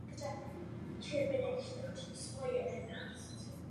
Caesar v této skutečnosti viděl svoji příležitost.